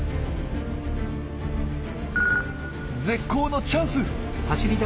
絶好のチャンス！